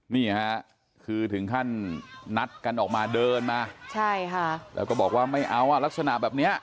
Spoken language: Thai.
นี่ค่ะคือถึงขั้นนัดกันออกมาเดินมาใช่ค่ะแล้วก็บอกว่าไม่เอาอ่ะลักษณะแบบเนี้ย